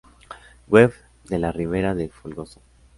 Web de La Ribera de Folgoso